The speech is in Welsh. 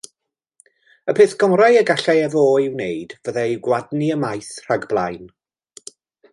Y peth gorau y gallai efô ei wneud fyddai ei gwadnu ymaith rhag blaen.